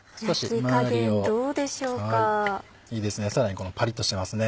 いいですねさらにパリっとしてますね。